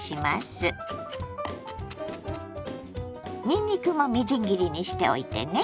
にんにくもみじん切りにしておいてね。